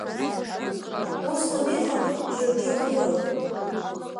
Усҟан иҟам џьаргьы утәы.